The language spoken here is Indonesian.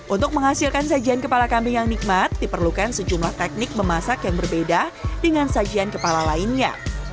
untuk menghasilkan sajian kepala kambing yang nikmat diperlukan sejumlah teknik memasak yang berbeda dengan sajian kepala lainnya